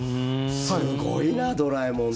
すごいな「ドラえもん」って。